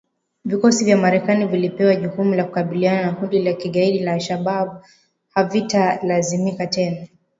Vikosi vya Marekani vilivyopewa jukumu la kukabiliana na kundi la kigaidi la al-Shabab havitalazimika tena